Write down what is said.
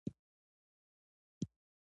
خلک ميينو ته لغتې ورکوينه